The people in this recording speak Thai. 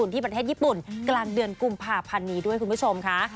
ที่ประเทศญี่ปุ่นกลางเดือนกุมภาพันธ์นี้ด้วยคุณผู้ชมค่ะ